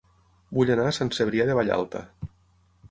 Vull anar a Sant Cebrià de Vallalta